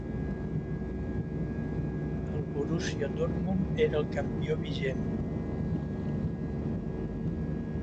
El Borussia Dortmund era el campió vigent.